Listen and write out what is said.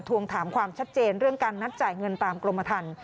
ทวงถามความชัดเจนเรื่องการนัดจ่ายเงินตามกรมทัน